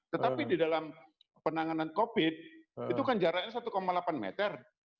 tetapi di dalam penanganan covid itu kan jaraknya satu delapan meter